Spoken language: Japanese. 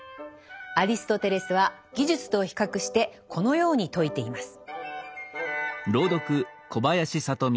アリストテレスは技術と比較してこのように説いています。